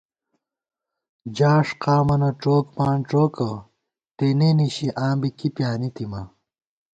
جاݭ قامَنہ ڄوک مانڄوکہ تېنے نِشی آں بی کی پیانِتِماں